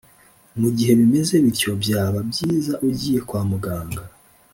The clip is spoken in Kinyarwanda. mu gihe bimeze bityo byaba byiza ugiye kwa muganga